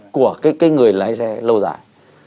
của cái người lái xe lâu dài